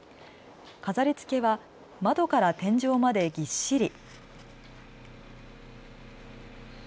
飾りつけは窓から天井までぎっしり。